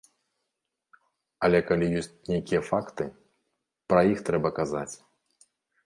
Але калі ёсць нейкія факты, пра іх трэба казаць.